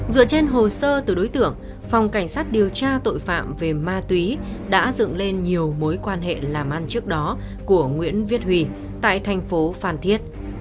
dựa trên hồ sơ từ đối tượng phòng cảnh sát điều tra tội phạm về ma túy đã dựng lên nhiều mối quan hệ làm ăn trước đó của nguyễn viết huy tại thành phố phan thiết